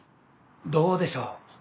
どうでしょう。